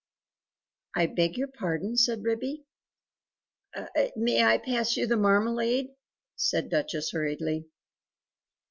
"I beg your pardon?" said Ribby. "May I pass you the marmalade?" said Duchess hurriedly.